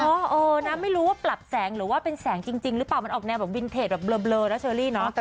เออนะไม่รู้ว่าปรับแสงหรือว่าเป็นแสงจริงหรือเปล่ามันออกแนวแบบวินเทจแบบเบลอนะเชอรี่เนาะ